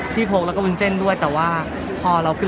มีใครแบบได้บอกเรานึง